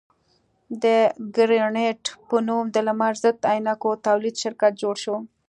د ګرېنټ په نوم د لمر ضد عینکو تولید شرکت جوړ شو.